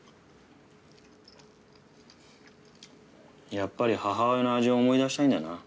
やっぱり母親の味を思い出したいんだな。